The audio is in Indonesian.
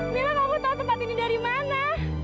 mila kamu tahu tempat ini dari mana